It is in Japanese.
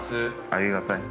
ありがたい。